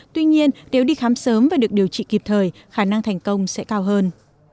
tuy nhiên nếu đi khám sớm và được điều trị kịp thời khả năng thành công sẽ cao hơn